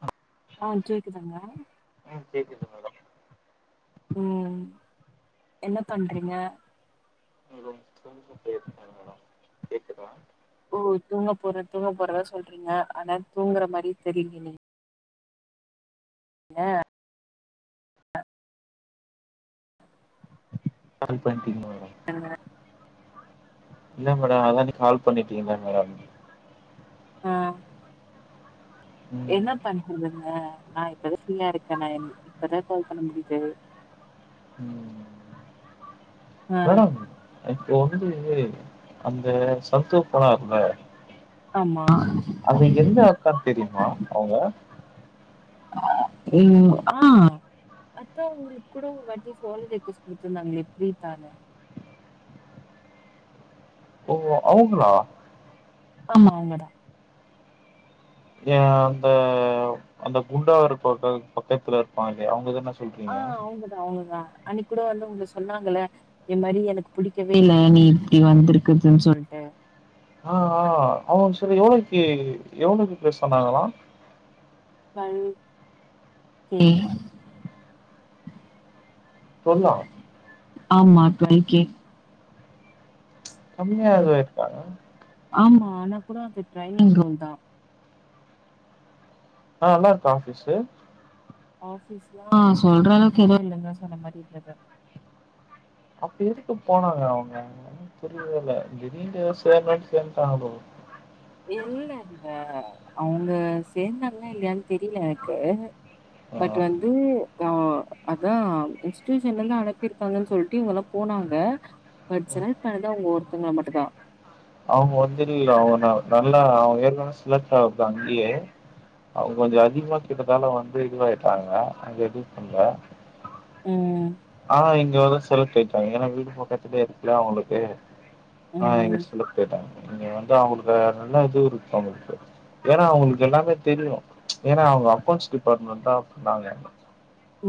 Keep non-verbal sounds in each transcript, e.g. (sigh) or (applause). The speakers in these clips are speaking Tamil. ஆ ஆ கேக்குதாங்க ம் கேக்குதுங்க ம் என்ன பண்றீங்க உங்க ஃப்ரண்ட்டு பேசுனாங்களா கேக்குதா ஓ தூங்க போற தூங்க போறந்தா சொல்ட்டுருந்த ஆனா தூங்குற மாரி தெரியிலே ங்க கால் பண்டீங்க மேடம் டாங்க இல்ல மேடம் அதா நீ கால் பண்ணிட்டீங்கல்ல மேடம் ஆ என்ன ம் பண்றதுங்க நா இப்பதா ஃப்ரீயா இருக்க நா எ இப்பதா கால் பண்ண முடியிது ம் ஆ மேடம் இப்போ வந்து அந்த சந்தோ போனார்ல ஆமா அந்த என்ன அக்கானு தெரியுமா அவங்க ஆ ம் ஆ அதா உங்ககூட ஒருவாட்டி ஃபோன் ரெக்கீயுஸ்ட் குடுத்துருந்தாங்களே ப்ரீத்தானு ஓ, அவுங்களா ஆமா அவுங்கதா ஏ அந்த அந்த குண்டாவூர் பக்க பக்கத்துல இருப்பாங்களே அவங்கதான ஆ‌ அவங்கதா அவங்கதா அன்னைக்கி கூட வந்து உங்கள சொன்னாங்கள இந்த மாரி எனக்கு புடிக்கவே இல்ல நீ இப்டி வந்துருக்றதுன்னு சொல்ட்டு ஆ ஆ அவுங்க செரி எவ்ளோக்கு எவ்ளோக்கு பேச சொன்னாங்களா டுவெல் கே டுவெல்லா ஆமா டுவெல் கே கம்மியா எது இருக்கா ஆமா ஆனா கூட அது ட்ரைவிங் ரோல் தா ஆனா நல்லாருக்கா ஆபிஸ்சு ஆபீஸ்ல்லா சொல்ற அளவுக்கு எதுவு இல்லங்க சொல்ற மாரி இல்லங்க அப்ப எதுக்கு போனாங்க அவங்க ஒண்ணு புரியல திடீர்ன்ட்டு ஏதோ சேரனூனு சேந்துட்டாங்ளோ இல்லங்க அவுங்க சேந்தாங்லா இல்லையான் தெரியில எனக்கு பட் ஆ வந்து ஆ அதா இன்ஸ்டூஷன்லந்து அனுப்பிருக்காங்கன் சொல்ட்டு இவுங்கல்லாம் போனாங்க பட் செலக்ட் பண்ணது அவுங்க ஒருத்தவங்கள மட்டுதா அவுங்க வந்து அவன் நல்லா அவன் ஏற்கனவே செலக்ட் ஆகுப்ப அங்கயே அவுங்க கொஞ்சொ அதிக்மா கேட்டதால வந்து இதுவாயிட்டாங்க அங்க எது பண்ல ம் ஆ இங்க வந்து செலக்ட் ஆய்டாங்க ஏன்னா வீடு பக்கத்துலேயே இருக்குல அவுங்களுக்கு ஆ‌ இங்க ம் செலக்ட் ஆயிட்டாங்க இங்க வந்து அவுங்களுக்கு நல்ல இது இருக்கு அவுங்களுக்கு ஏன்னா அவுங்களுக்கு எல்லாமே தெரியு ஏன்னா அவுங்க அக்கவுன்ஸ் டிபார்ட்மெண்ட் தா பண்ணாங்க ஓ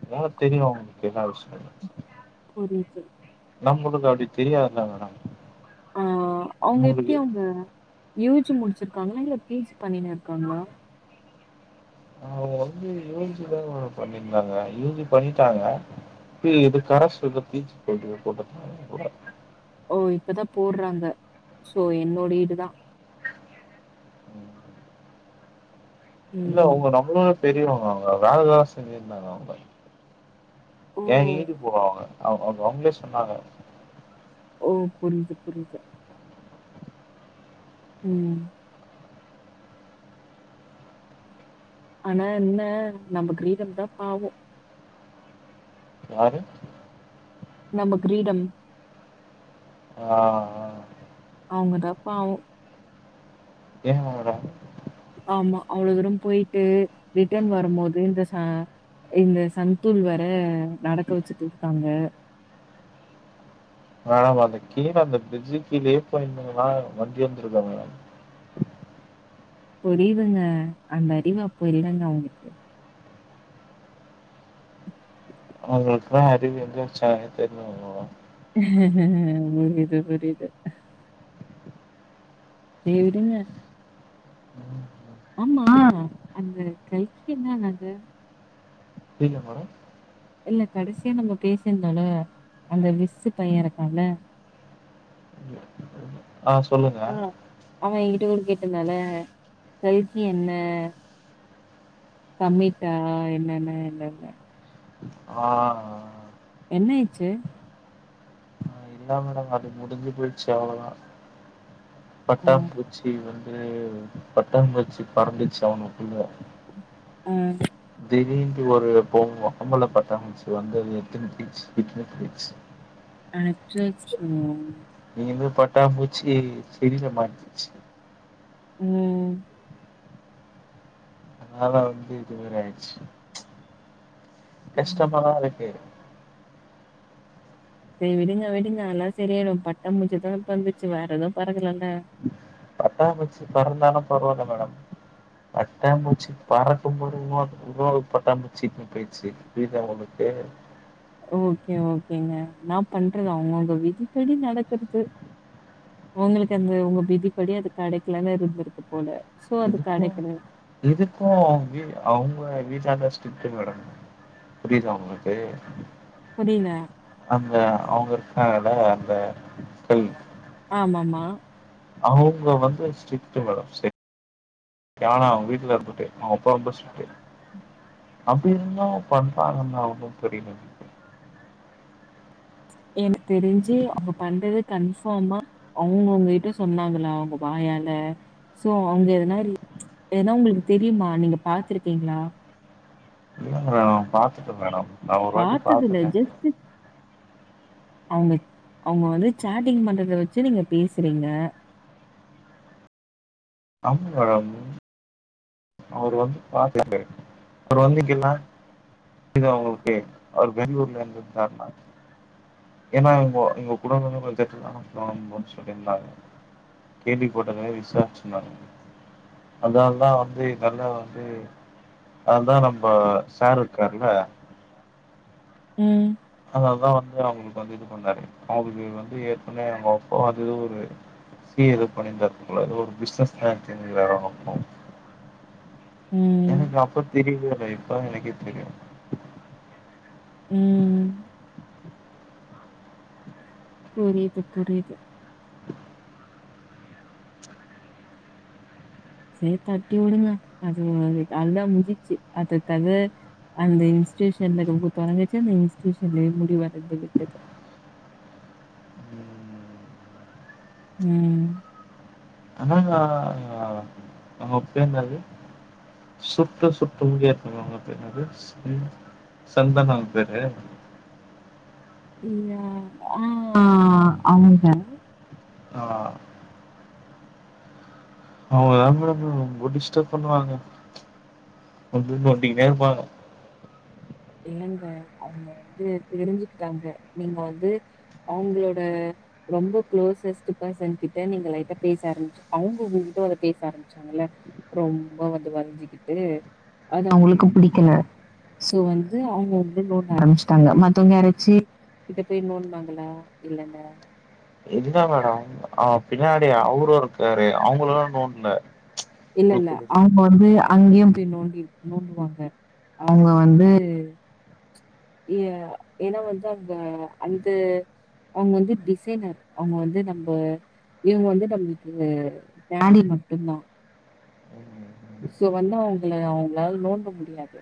அதனால தெரியு அவுங்களுக்கு எல்லா விஷயம் புரியுது நம்மளுக்கு அப்டி தெரியாதுல்ல மேடம் ஆ அவுங்க உங்களுக்கு எப்டி அவுங்க யூ ஜி முடிச்சுருக்காங்களா இல்ல பி ஜி பண்ணினு இருக்காங்களா அவுங்க வந்து யூ ஜி தா பண்ணிருந்தாங்க யூ ஜி பண்ணிட்டாங்க இது கரசுத பீ ஜி (unintelligible) ஓ இப்பதா போட்றாங்க சோ என்னோட ஈடு தா ம் இல்ல ம் அவுங்க நம்மள விட பெரியவுங்க அவுங்க வேல தா செஞ்சினுருந்தாங்க அவுங்க ஏன் ஓ ஈடு போடுவாங்க அவுங்க அவுங்களே சொன்னாங்க ஓ புரியுது புரியுது ம் ஆனா என்ன நம்ம கிரீடம் தா பாவொ யாரு நம்ம கிரீடம் ஆ அவுங்கதா பாவொ ஏ மேடம் ஆமா அவ்ளோ தூரம் போய்ட்டு ரிட்டன் வரும்போது இந்த ச இந்த சந்தூள் வேர நடக்க வச்சுட்டு காங்க மேடம் அந்த கீழ அந்த ஃப்ரிட்ஜ்க் கீழயே போயிருந்திகன்னா வண்டி வந்திருக்கும் மேடம் புரியுதுங்க அந்த அறிவு அப்போ இல்லங்க அவுங்களுக்கு அவுங்களுக்கெல்லா அறிவு எதுல வச்சாங்கன்னே தெர்ல மேடம் புரியுது புரியுது ஏ விடுங்க ஆமா அந்த கல்கி என்ன ஆனாங்க புரியில மேடம் இல்ல கடசியா நம்ம பேசிருந்தோல்ல அந்த விஸ்சு பையன் இருக்கான்ல்ல ஆ சொல்லுங்க அவ என்கிட்ட கூட கேட்ருந்தால்ல கல்கி என்ன கமிட்டா என்னன்னு இல்ல ஆ என்ன இச்சு இதா மேடம் அது முடிஞ்சு போச்சு அவ்ளோதா ஓ பட்டாம் பூ ச்சி வந்து பட்டாம் பூச்சி பறந்துச்சு அவனுக்குள்ள ஆ திடீர்ட்னு ஒரு பொம் பொம்பல பட்டாம்பூச்சி வந்து அது எடுத்துன்னு‌ போயிச்சு விட்டுனு போயிச்சு அச்சச்சோ இங்கேருந்த பட்டாம்பூச்சி செடியில மாட்டிச்சு ம் அதெல்லா வந்து இது மெரி ஆயிடுச்சு கஷ்டமாதா இருக்கு செரி விடுங்க விடுங்க எல்லா சரியாயிரு பட்டாம்பூச்சி தான பறந்துச்சு வேர எதுவு பறக்குலாள்ள பட்டாம் பூச்சி பறந்தாலு பரவால்ல மேடம் பட்டாம் பூச்சி பறக்கும்போது இன்னோ இன்னொரு பட்டாம்பூச்சி விட்டுனு போயிச்சு புரியுதா உங்ளுக்கு ஓகே ஓகேங்க இன்னா பண்றதூங்கள அவுங்கவுங்க விதிப்படி நடக்ரது ஒங்களுக்கு அந்த ஒங்க விதிப்படி அது கெடைக்கலனு இருந்திருக்கு போல சோ அது இதுக்கு கெடைக்கல இதுக்கு அவு வீ அவுங்க வீட்டந்தா ஸ்ட்ரிட்டு மேடம் புரியுதா உங்களுக்கு புரில அந்த அவுங்க இருக்காங்கள்ள அந்த கல் ஆம மா அவுங்க வந்து ஸ்ட்ரிக்ட் மேடம் (unintelligible) யானா அவுங்க வீட்ல இருந்துட்டு அவ அப்பா ரொம்ப ஸ்ட்ரிட்டு அப்டி இருந்து பண்றாங்கன்னா ஒன்னு புரிலியே எனக்கு தெரிஞ்சு அவுங்க பண்றது கன்ஃபாமா அவுங்க உங்கிட்ட சொன்னாங்களா அவுங்க வாயால சோ அவுங்க எதுனா ரி எதுனா உங்களுக்கு தெரியுமா நீங்க பாத்துருக்கீங்ளா இல்லங்க மேடம் பாத்துட்டே மேடம் நா ஒரு வாட்டி பார்த்ததில்ல. பாத்துட்டே அவுங்க அவுங்க வந்து சாட்டிங் பண்றத வச்சு நீங்க பேசுறீங்க ஆமா மேடம் அவுரு வந்து பாத் (inaudible) அவுரு வந்து எப்டின்னா இது அவுங்களுக்கே அவுரு பெங்களுர்ல இருந்து வந்துட்டார்னா ஏன்னா இவுங்க எங்க குடும்பமே பட்ஜெட் (unintelligible) சொல்லிருந்தாங்க கேள்வி போட்டேங்க விசாரிச்ருந்தாங்க அதனால தா வந்து நல்லா வந்து அது தா நம்ப சார் இருக்காருல ம் அதனால தா வந்து அவுங்களுக்கு வந்து இது பண்றாரு அவுங்களுக்கு வந்து ஏற்கனவே அவுங்க அப்பா வந்தது ஒரு சி ஏ எதோ பண்ணிருந்தாரு போல எதோ ஒரு பிசினஸ் மேன் (inaudible) ம், எனக்கு அப்ப தெரியவே இல்ல இப்பதா எனக்கே தெரியு ம் ம் புரியிது புரியிது சே தட்டிவுடுங்க அது முடிச்சிட்டு அது தா முடுஞ்ச்சு அது கத அந்த இன்ஸ்டூஷன்ல லவ்வு தொடங்குச்சு இந்த இன்ஸ்டூஷன்யே முடிவடைந்து விட்டது உம் ம் அதாங்க ஒங்க பேர் என்னது சுர்ட்ட சுர்ட்ட முடிய இருக்குல்ல அவுங்க பேர் என்னது ம் சந்தனா அவ பேரு இ ஆ ஆமா சார் ஆ அவுங்கதா மேடம் என்ன ரொம்ப டிஸ்டப் பண்ணுவாங்க வந்து நோண்டிக்கினே இருப்பாங்க இல்லங்க அவுங்க வந்து தெரிஞ்சுக்கிட்டாங்க நீங்க வந்து அவுங்ளோட ரொம்ப க்ளோசஸ்ட்டு பெர்சன் கிட்ட நீங்க லைட்டா பேச ஆரம்பிச்சு அவங்க உங்ககிட்ட வந்து பேச ஆரம்பிச் சாங்கள ரொம்ப வந்து வழிஞ்சிக்கிட்டு அது அவுங்ளுக்கு புடிக்கல சோ வந் து அவங்க வந்து நோன்ட ஆரம்பிச்ட்டாங்க மத்தவங்க யாராச்சு கிட்ட பேய் நோன்டுனாங்ளா இல்லல்ல இதுதா மேடம் அவுங்க பின்னாடி அவரு இருக்காரு அவுங்களலா நோன்ட்ல இல்ல இல்ல அவங்க வந்து அங்கியு பேய் நோண்டி நோண்டுவாங்க அவுங்க வந்து ஏ ஏனா வந்து அங்க அந்த அவுங்க வந்து டிசைனர் அவுங்க வந்து நம்ப இவுங்க வந்து நம்ளுக்கு டானி மட்டுந்தா உம் ம், சோ வந்து அவுங்கள அவுங்ளால நோண்ட முடியாது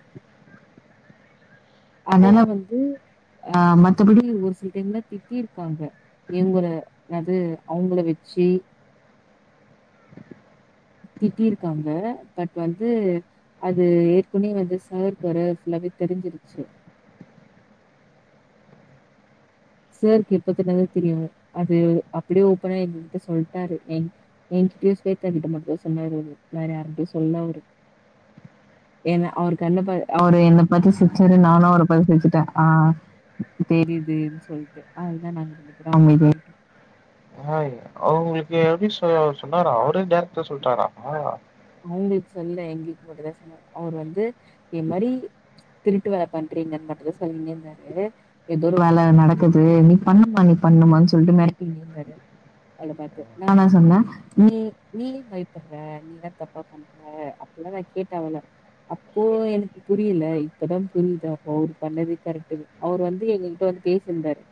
ஓ அதனால வந்து ஆ மத்தபடி ஒரு சில டைம்ல திட்டிருக்காங்க இவுங்ள அது அவுங்ள வச்சு திட்டிருக்காங்க பட் வந்து அது ஏற்கனவே வந்து சார்க்கு வேற ஃபுல்லாவே தெரிஞ்சிருச்சு சார்க்கு எப்பத்துலேந்து தெரியு அது அப்டியே ஓப்பனா எங்ககிட்ட சொல்ட்டாரு என் என்கிட்டயு ஸ்வேதா கிட்ட மட்டு சொன்னாரு அவரு வேற யார்கிட்டயு சொல்ல அவரு என்ன அவர் கண்ண பா அவரு என்ன பாத்து சிரிச்சாரு நானு அவர பாத்து சிரிச்சிட்டே ஆ தெரிதுன் சொல்ட்டு அதுதா நாங்க நெனைக்கிறோ அவுங்க ஹாய் ஹவ் உங்குளுக்கு எப்டி சொ சொன்னாரா அவரே டேரக்டா சொல்ட்டாரா அவுங்களுக்கு சொல்லல எங்குளுக்கு மட்டுந்தா சொன்னாரு அவரு வந்து இத மாரி திருட்டு வேல பண்றீங்கன்னு மட்டுந்தா சொல்லினே இருந்தாரு ரு எதோ ஒரு வேல நடக்குது நீ பண்ணுமா நீ பண்ணுமானு சொல்ட்டு மெரட்டினு இந்தாரு அவள பாத்து நானா சொன்னே நீ நீ ஏன் பயப்பட்ற நீ என்னா தப்பா பண்ற நல்லாதா கேட்ட அவள அப்போ எனக்கு புரியில இப்பதா புரியுது அப்போ அவர் பண்ணது கரெட்டுனு அவுரு வந்து எங்ககிட்ட வந்து பேசிருந்தாரு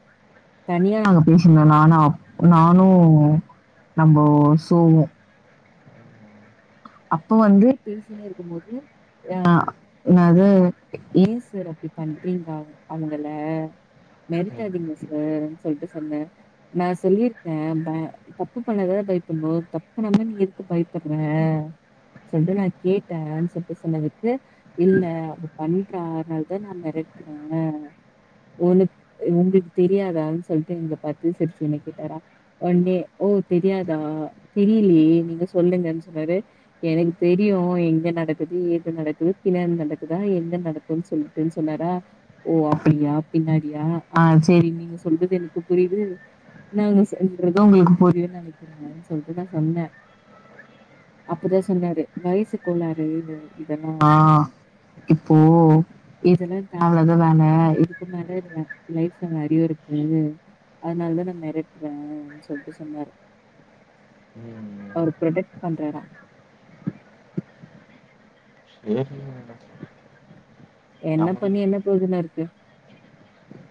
தனியா நாங்க பேசுனோ நானு அப் நானு நம்போ சோவு அப்ப வந்து பேசினே இருக்கும்போது ஆ இன்னாது ஏ ஏன் சர் அப்டி பண்றீங்க அவ் அவங்கள ம். மெரட்டாதீங்க சார் ன்னு சொல்ட்டு சொன்னே நா சொல்லிருக்கே ப தப்பு பண்ணாதான பயப்பட்ணு தப் பண்ணாம நீ எதுக்கு பயப்பட்ற சொல்ட்டு நா கேட்டேன்னு சொல்ட்டு சொன்னதுக்கு இல்ல அவ பண்றா அதுனாலதா நா மெரட்றே உனக் உங்குளுக்கு தெரியாதானு சொல்ட்டு எங்கள பாத்து சிரிச்சிக்கினே கேட்டாரா ஒன் டே ஓ தெரியாதா தெரிலியே நீங்க சொல்லுங்கன் சொன்னாரு எனக்கு தெரியு எங்க நடக்குது ஏது நடக்குது பின்னாடி நடக்குதா எங்க நடக்குன் சொல்ட்டுன் சொன்னாரா ஓ அப்டியா பின்னாடியா ஆ சேரி நீங்க சொல்றது எனக்கு புரிது என்ன அவங்க சொல்றது உங்குளுக்கு புரியுன் நெனைக்கிறேன்னு சொல்ட்டு நா சொன்னே அப்பதா சொன்னாரு வய்சு கோளாரு இதெல்லா இப்போ இதெலா தேவலாத வேல இதுக்கு மேல இதுல லைஃப்ல நெறய இருக்கு அதுனால் தா நா மெரட்றேன்னு சொல்ட்டு சொன்னாரு ம் அவரு ப்ரொடெக்ட் பண்றேனா செரி என்ன பண்ணி என்ன ப்ரயோஜன இருக்கு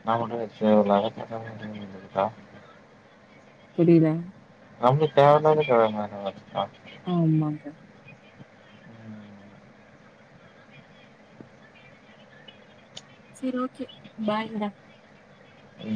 நா மட்டும் எதுக்கு தேவயில்லாத பண்ணனு எதா இருக்கா புரியில நம்ளுக்கு தேவ இல்லாத கத (unintelligible) ஆமாங்க ம். சேரி ஓக்கே பாய்ங்கடா ம்.